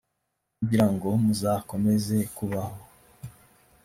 kugira ngo muzakomeze kubaho,